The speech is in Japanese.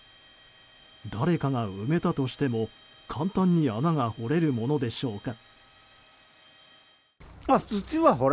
誰かが埋めたとしても、簡単に穴が掘れるものでしょうか。